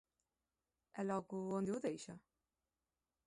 E logo, onde o deixa?